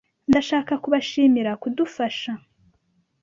Ndashaka kubashimira kudufasha.